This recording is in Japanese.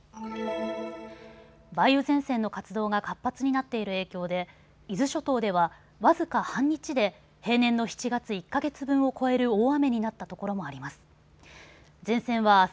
梅雨前線の活動が活発になっている影響で伊豆諸島では僅か半日で平年の７月１か月分を超える大雨になったところもあります。